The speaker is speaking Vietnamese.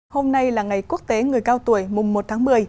hôm nay là ngày quốc tế người cao tuổi mùng một tháng một mươi